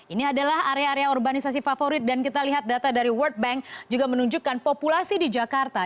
ini adalah area area urbanisasi favorit dan kita lihat data dari world bank juga menunjukkan populasi di jakarta